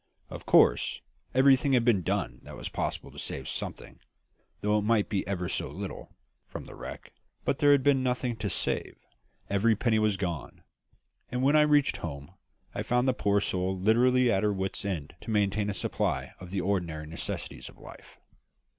Of course everything had been done that was possible to save something, though it might be ever so little, from the wreck; but there had been nothing to save; every penny was gone; and when I reached home I found the poor soul literally at her wits' end to maintain a supply of the ordinary necessaries of life.